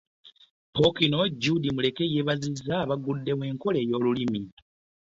Ppookino Jude Muleke yeebazizza abagguddewo enkola y'Olumuli